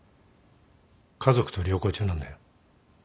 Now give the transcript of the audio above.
家族と旅行中なんだよ。